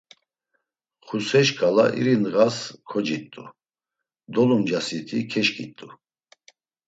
Xuse şǩala iri ndğas kocit̆u, dolumcasiti ǩeşǩit̆u.